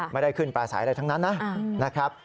ไม่ได้ขึ้นปลาสายอะไรทั้งนั้นนะครับ